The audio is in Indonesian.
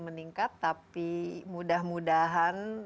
meningkat tapi mudah mudahan